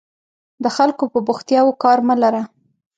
د خلکو په بوختیاوو کار مه لره.